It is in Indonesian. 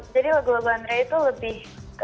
jadi lagu lagu andrea itu lebih